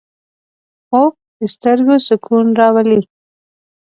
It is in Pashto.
خوب د سترګو سکون راولي